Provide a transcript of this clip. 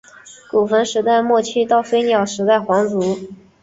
古坟时代末期到飞鸟时代皇族。